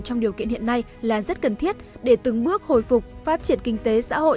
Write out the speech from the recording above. trong điều kiện hiện nay là rất cần thiết để từng bước hồi phục phát triển kinh tế xã hội